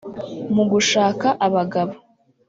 Mu gushaka abagabo